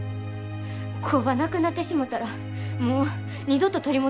工場なくなってしもたらもう二度と取り戻されへんねんで。